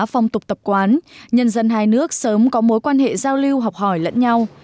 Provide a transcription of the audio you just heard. phong tục tập quán nhân dân hai nước sớm có mối quan hệ giao lưu học hỏi lẫn nhau